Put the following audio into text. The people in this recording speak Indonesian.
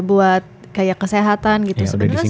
buat kaya kesehatan gitu